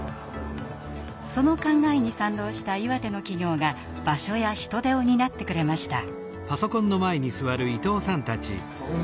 その考えに賛同した岩手の企業が場所や人手を担ってくれました。